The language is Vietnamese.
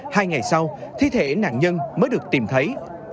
hai ngày sau thi thể nạn nhân mới được tìm thấy